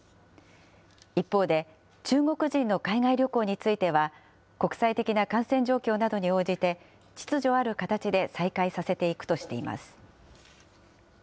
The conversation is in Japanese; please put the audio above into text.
一方で中国人の海外旅行については、国際的な感染状況などに応じて、秩序ある形で再開させていくとしています。